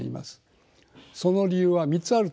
その理由は３つあると思います。